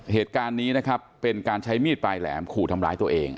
เหตุการณ์นี้นะครับเป็นการใช้มีดปลายแหลมขู่ทำร้ายตัวเอง